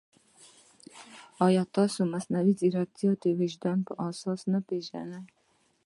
ایا مصنوعي ځیرکتیا د وجدان احساس نه پېژني؟